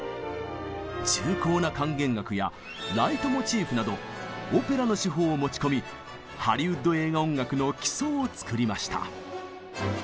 重厚な管弦楽や「ライトモチーフ」などオペラの手法を持ち込みハリウッド映画音楽の基礎を作りました。